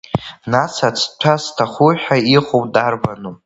Нас ацҭәа зҭаху ҳәа иҟоу дарбану?